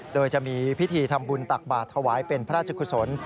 โดยจะมีพิธีทำบุญตักบาทถวายเป็นพระราชกุศล